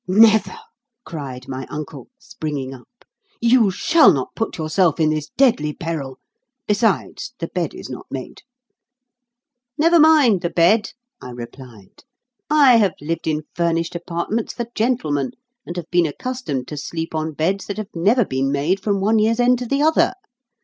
"Never!" cried my uncle, springing up. "You shall not put yourself in this deadly peril. Besides, the bed is not made." "Never mind the bed," I replied. "I have lived in furnished apartments for gentlemen, and have been accustomed to sleep on beds that have never been made from one year's end to the other.